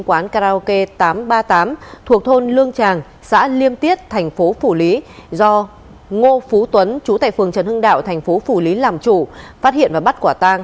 quán karaoke tám trăm ba mươi tám thuộc thôn lương tràng